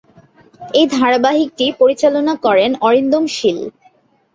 এই ধারাবাহিকটি পরিচালনা করেন অরিন্দম শীল।